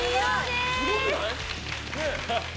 すごくない？